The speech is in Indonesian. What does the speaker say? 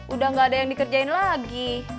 udah gak ada yang dikerjain lagi